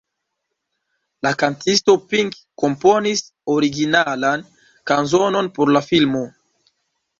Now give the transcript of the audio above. La kantisto Pink komponis originalan kanzonon por la filmo.